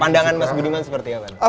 pandangan mas budiman seperti apa